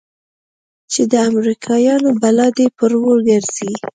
چې د امريکايانو بلا دې پر وګرځي.